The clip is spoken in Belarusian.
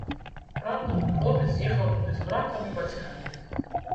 Праўда, хлопец з'ехаў туды з братам і бацькамі.